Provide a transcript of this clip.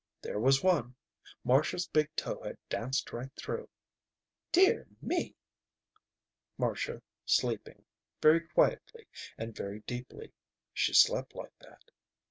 There was one! Marcia's big toe had danced right through. "Dear me!" Marcia sleeping. Very quietly and very deeply. She slept like that.